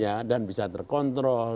ya dan bisa terkontrol